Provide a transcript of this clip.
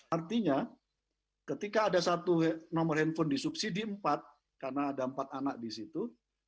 artinya ketika ada satu nomor handphone disubsidi empat karena ada empat anak di situ